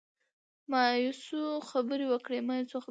ما یو څو خبرې وکړې.